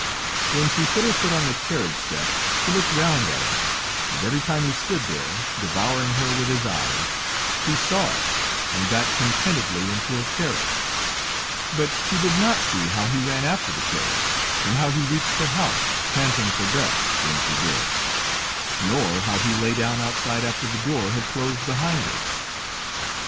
When she put her foot on the carriage step, she looked round at him, and every time he stood there, devouring her with his eyes; she saw it and got contentedly into her carriage, but she did not see how he ran after the carriage, and how he reached her house, panting for breath, when she did, nor how he lay down outside after the door had closed behind her.